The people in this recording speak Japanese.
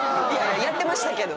やってましたけど。